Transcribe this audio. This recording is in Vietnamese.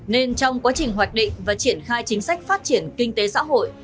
nên trong quá trình hoạch định và triển khai chính sách phát triển kinh tế xã hội